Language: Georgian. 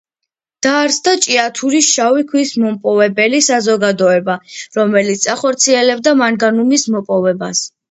დაარსდა ჭიათურის შავი ქვის მომპოვებელი საზოგადოება, რომელიც ახორციელებდა მანგანუმის მოპოვებას.